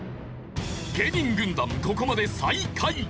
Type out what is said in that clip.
芸人軍団ここまで最下位。